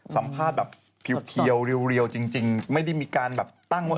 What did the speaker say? สัมภาษณ์แบบเพียวเรียวจริงไม่ได้มีการแบบตั้งว่า